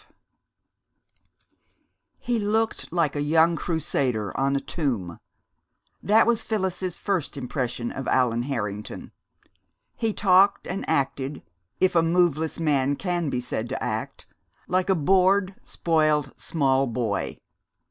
V He looked like a young Crusader on a tomb. That was Phyllis's first impression of Allan Harrington. He talked and acted, if a moveless man can be said to act, like a bored, spoiled small boy.